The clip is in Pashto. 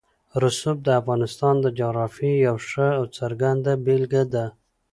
رسوب د افغانستان د جغرافیې یوه ښه او څرګنده بېلګه ده.